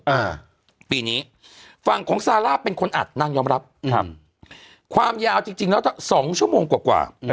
อ่าปีนี้ฝั่งของซาร่าเป็นคนอัดนางยอมรับครับความยาวจริงจริงแล้วสองชั่วโมงกว่ากว่า